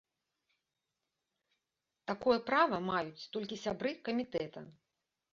Такое права маюць толькі сябры камітэта.